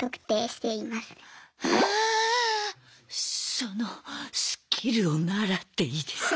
そのスキルを習っていいですか？